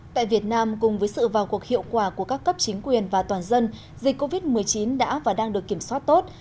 tại việt nam cùng với sự vào cuộc hiệu quả của các cấp chính quyền và toàn dân dịch covid một mươi chín đã và đang được kiểm soát tốt